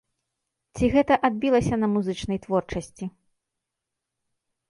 Ці гэта адбілася на музычнай творчасці?